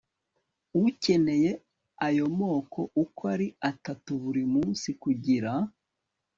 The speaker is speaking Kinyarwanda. ukenera ayo moko uko ari atatu buri munsi kugira